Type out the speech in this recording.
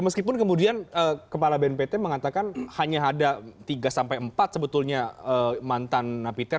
meskipun kemudian kepala bnpt mengatakan hanya ada tiga sampai empat sebetulnya mantan napiter